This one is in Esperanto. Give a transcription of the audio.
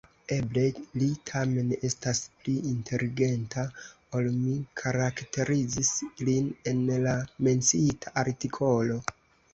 Eble li tamen estas pli inteligenta, ol mi karakterizis lin en la menciita artikolo...